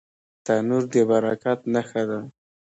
تنور د برکت نښه ده